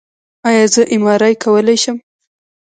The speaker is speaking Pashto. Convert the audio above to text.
ایا زه ایم آر آی کولی شم؟